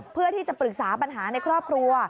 เพื่อที่จะปรึกษาปัญหาในครอบครัว